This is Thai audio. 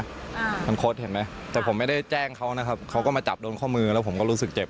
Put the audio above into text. มันคดเห็นไหมแต่ผมไม่ได้แจ้งเขานะครับเขาก็มาจับโดนข้อมือแล้วผมก็รู้สึกเจ็บ